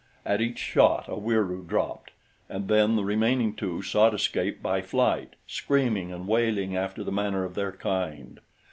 At each shot a Wieroo dropped; and then the remaining two sought escape by flight, screaming and wailing after the manner of their kind.